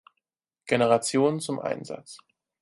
Generation zum Einsatz.